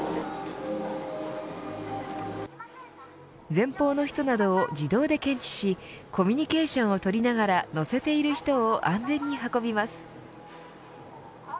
前方の人などを自動で検知しコミュニケーションを取りながら乗せている人を安全に運びます。